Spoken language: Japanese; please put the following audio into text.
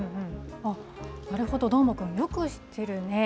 あっ、なるほど、どーもくん、よく知ってるね。